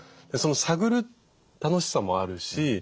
その探る楽しさもあるし